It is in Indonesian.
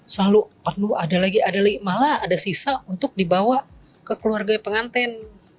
selalu perlu ada lagi malah ada sisa untuk dibawa ke keluarga pengantin